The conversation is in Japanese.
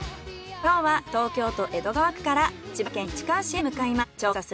今日は東京都江戸川区から千葉県市川市へ向かいます。